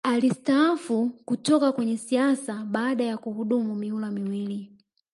Alistaafu kutoka kwenye siasa baada ya kuhudumu mihula miwili